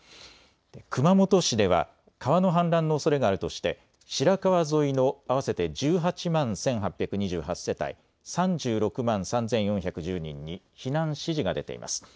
熊本市では川の氾濫のおそれがあるとして白川沿いの合わせて１８万１８２８世帯３６万３４１０人に避難指示が出ています。